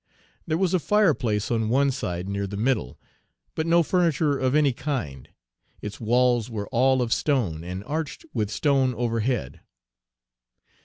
There was a fireplace on one side near the middle, but no furniture of any kind. Its walls were all of stone, and arched with stone overhead.